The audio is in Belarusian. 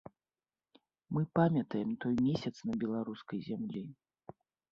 Мы памятаем той месяц на беларускай зямлі.